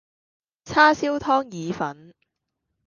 叉燒湯意粉